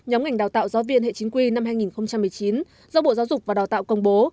nhóm ngành đào tạo giáo viên hệ chính quy năm hai nghìn một mươi chín do bộ giáo dục và đào tạo công bố